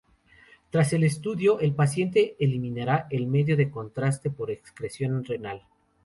Tras el estudio, la paciente eliminará el medio de contraste por excreción renal.